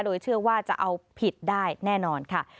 โดยเชื่อว่าจะเอาผิดได้แน่นอนค่ะ